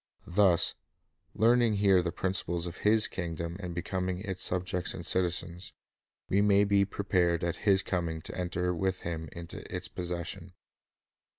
Thus, learning here the principles of His kingdom and becoming its subjects and citizens, we may be prepared at His coming • to enter with Him into its possession.